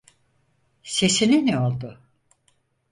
Sesine ne oldu?